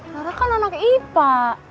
rara kan anak ipa